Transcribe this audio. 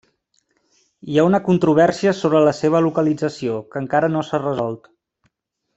Hi ha una controvèrsia sobre la seva localització que encara no s'ha resolt.